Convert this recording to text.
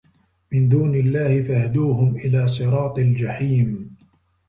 مِن دونِ اللَّهِ فَاهدوهُم إِلى صِراطِ الجَحيمِ